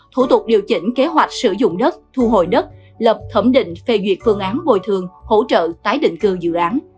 thủ tục điều chỉnh kế hoạch sử dụng đất thu hồi đất lập thẩm định phê duyệt phương án bồi thường hỗ trợ tái định cư dự án